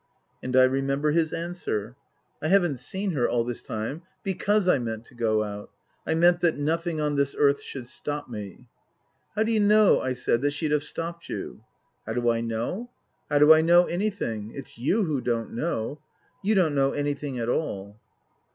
And I remember his answer. " I haven't seen her Book III : His Book 271 all this time because I meant to go out. I meant that nothing on this earth should stop me." " How do you know," I said, " that she'd have stopped you ?"" How do I know ? How do I know anything ? It's you who don't know. You don't know anything at all."